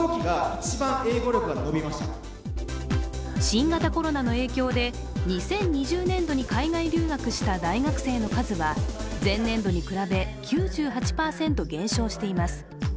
新型コロナの影響で２０２０年度に海外留学した大学生の数は前年度に比べ９８％減少しています。